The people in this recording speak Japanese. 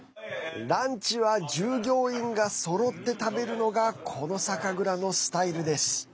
ランチは従業員がそろって食べるのがこの酒蔵のスタイルです。